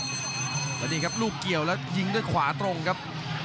แล้วนี่ครับลูกเกี่ยวแล้วยิงด้วยขวาตรงครับ